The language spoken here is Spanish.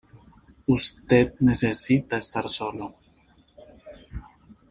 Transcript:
usted necesita estar solo.